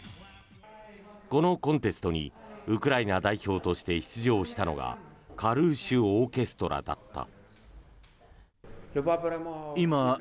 このコンテストにウクライナ代表として出場したのがカルーシュ・オーケストラだった。